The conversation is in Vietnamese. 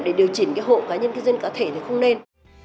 để điều chỉnh cái hộ cá nhân kinh doanh cá thể thì không nên